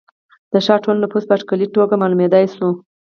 د ښار ټول نفوس په اټکلي توګه معلومېدای شوای.